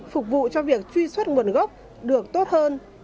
phục vụ cho việc truy xuất nguồn gốc được tốt hơn